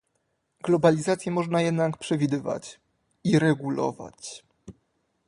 Globalizację można jednak przewidywać i regulować